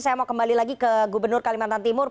saya mau kembali lagi ke gubernur kalimantan timur